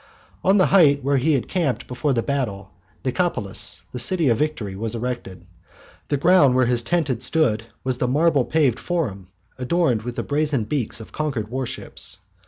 On the height where he had camped before the battle, Nicopolis, the City of Victory, was erected. The ground where his tent had stood was the marble paved forum, adorned with the brazen beaks of conquered warships.